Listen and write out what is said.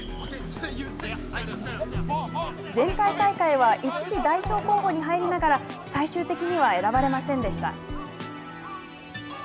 前回大会は一時、代表候補に入りながら最終的には選ばれませんでした。